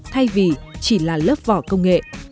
thay vì chỉ là lớp vỏ công nghệ